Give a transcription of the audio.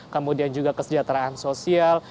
kemudian juga kesejahteraan sosial